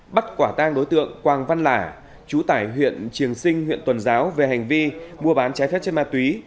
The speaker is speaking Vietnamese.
bắt quả tang đối tượng quang văn lả chú tải huyện triềng sinh huyện tuần giáo về hành vi mua bán trái phép trên ma túy